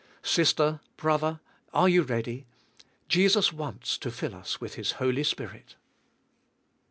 Sister, brother, are you ready? Jesus wants to fill us with His Holy Spirit.